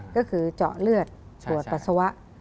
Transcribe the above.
ก็คือเจาะเลือดตรวจปัสสาวะ